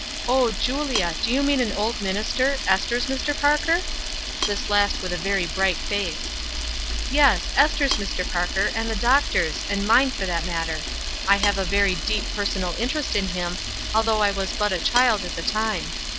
O Julia, do you mean an old minister — Ester's Mr. Parker ?" This last with a very bright face. * "Yes, Ester's Mr. Parker, and the doctor's, and mine, for that matter. I have a very deep personal interest in him, though I was but a child at the time.